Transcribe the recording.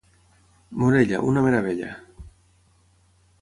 Morella, una meravella.